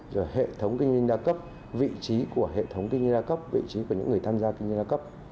rồi hệ thống kinh doanh đa cấp vị trí của hệ thống kinh doanh đa cấp vị trí của những người tham gia